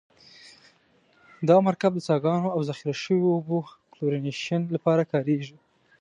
دا مرکب د څاګانو او ذخیره شویو اوبو کلورینیشن لپاره کاریږي.